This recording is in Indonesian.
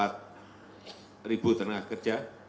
empat tenaga kerja